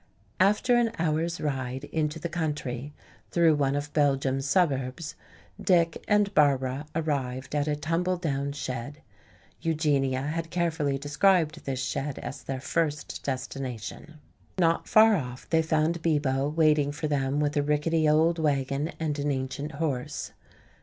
After an hour's ride into the country, through one of Belgium's suburbs, Dick and Barbara arrived at a tumble down shed. Eugenia had carefully described this shed as their first destination. Not far off they found Bibo waiting for them with a rickety old wagon and an ancient horse.